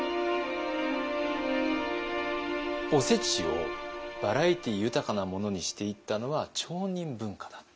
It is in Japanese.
おせちをバラエティー豊かなものにしていったのは町人文化だった。